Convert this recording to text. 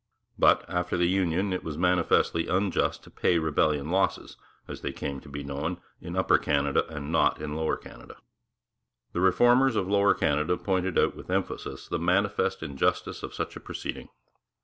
But, after the Union, it was manifestly unjust to pay rebellion losses, as they came to be known, in Upper Canada and not in Lower Canada. The Reformers of Lower Canada pointed out with emphasis the manifest injustice of such a proceeding.